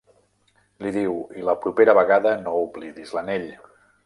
Li diu: I la propera vegada, no oblidis l'anell.